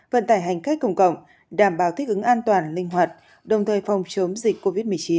vận tải hành khách công cộng đảm bảo thích ứng an toàn linh hoạt đồng thời phòng chống dịch covid một mươi chín